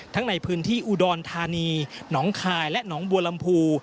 ในพื้นที่อุดรธานีหนองคายและหนองบัวลำพู